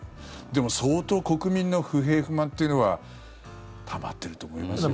でも、相当国民の不平不満というのはたまっていると思いますよ。